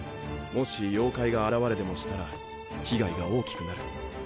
もし妖怪が現れでもしたら被害が大きくなる。